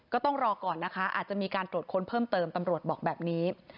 ก็ต้องรอก่อนนะคะอาจจะมีการตรวจค้นเพิ่มเติมตำรวจบอกแบบนี้